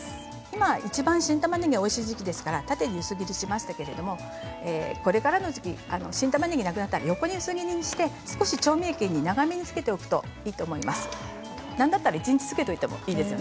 今いちばん新たまねぎがおいしい時期ですから縦に薄切りにしましたけれどもこれからの時期新たまねぎがなくなったら横に薄切りにして調味液に漬けておいてもいいです。